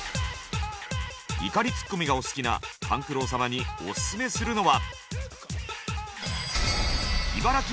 怒りツッコミがお好きな勘九郎様にオススメするのは。